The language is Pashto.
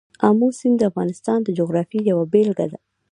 آمو سیند د افغانستان د جغرافیې یوه بېلګه ده.